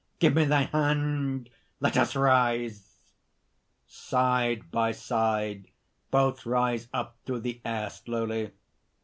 give me thy hand! Let us rise." (_Side by side, both rise up through the air, slowly.